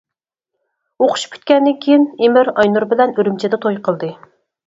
ئوقۇشى پۈتكەندىن كېيىن، ئىمىر ئاينۇر بىلەن ئۈرۈمچىدە توي قىلدى.